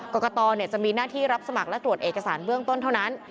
กรกตจะมีหน้าที่รับสมัครและตรวจเอกสารเบื้องต้นเท่านั้น